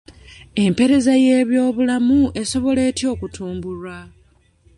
Empereza y'ebyobulamu esobola etya okutumbulwa?